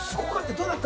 どうだった？